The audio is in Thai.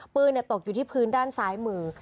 ปืนตกอยู่ที่พื้นด้านซ้ายมือ